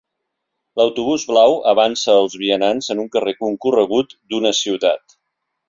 L'autobús blau avança als vianants en un carrer concorregut d'una ciutat.